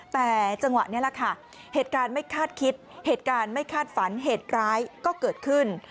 แต่จังหวะนี้แหละค่ะเหตุการณ์ไม่คาดคิดเหตุการณ์ไม่คาดฝันเหตุร้ายก็เกิดขึ้น